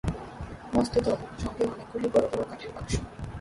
মস্ত দল, সঙ্গে অনেকগুলি বড় বড় কাঠের বাক্স।